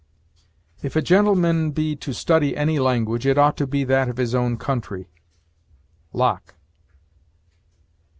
If a gentleman be to study any language, it ought to be that of his own country. LOCKE.